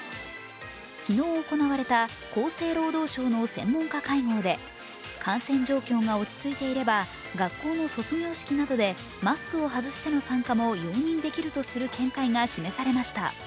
昨日行われた厚生労働省の専門家会合で感染状況が落ち着いていれば学校の卒業式などでマスクを外しての参加も容認できるとする見解が示されました。